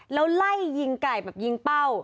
แล้วไล่ยิงไก่แบบยิงเป้า